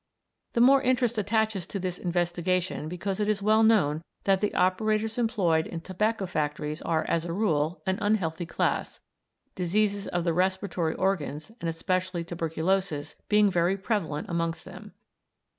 The more interest attaches to this investigation because it is well known that the operators employed in tobacco factories are, as a rule, an unhealthy class, diseases of the respiratory organs, and especially tuberculosis, being very prevalent amongst them.